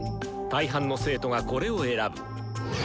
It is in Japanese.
大半の生徒がこれを選ぶ。